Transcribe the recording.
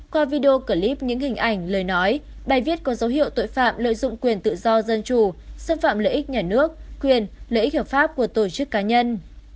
qua video clip những hình ảnh lời nói bài viết có dấu hiệu tội phạm lợi dụng quyền tự do dân chủ xâm phạm lợi ích nhà nước quyền lợi ích hợp pháp của tổ chức cá nhân